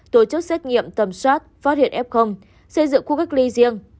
tổ chức xét nghiệm tầm soát phát hiện f xây dựng khu cách ly riêng